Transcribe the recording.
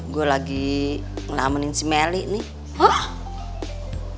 gue lagi ngelamenin si meli nih